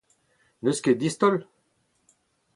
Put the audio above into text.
N’eus ket distaol ?